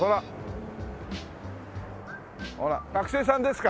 学生さんですか？